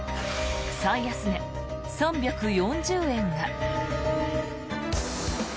最安値３４０円が。